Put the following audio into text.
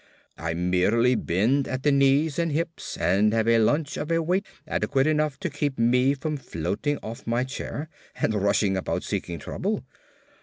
"I merely bend at the knees and hips and have a lunch of a weight adequate enough to keep me from floating off my chair and rushing about seeking trouble.